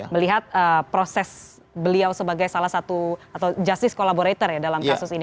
melihat proses beliau sebagai salah satu atau justice collaborator ya dalam kasus ini